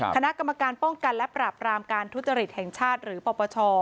คณะกรรมการป้องกันและปราบรามการทุจริตแห่งชาติหรือปปช